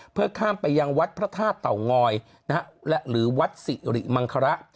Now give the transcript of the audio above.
เพื่อข้ามไปยังวัดพระธาตุเต่างอยและหรือวัดสิริมังคระ